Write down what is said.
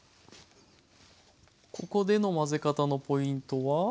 ここでの混ぜ方のポイントは？